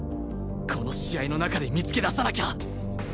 この試合の中で見つけ出さなきゃ！